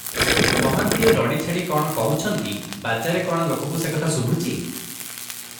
ମହାନ୍ତିଏ ରଡ଼ି ଛାଡ଼ି କଣ କହୁଛନ୍ତି, ବାଜାରେ କଣ ଲୋକଙ୍କୁ ସେ କଥା ଶୁଭୁଛି?